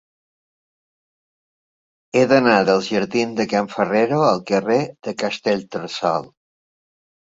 He d'anar dels jardins de Can Ferrero al carrer de Castellterçol.